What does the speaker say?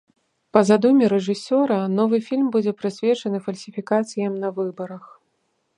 Па задуме рэжысёра, новы фільм будзе прысвечаны фальсіфікацыям на выбарах.